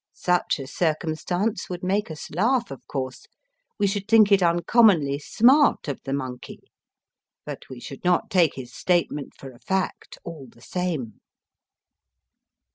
Such a circumstance would make us laugh, of course ; we should think it uncommonly smart of the monkey. But we should not take his statement for a fact all the same.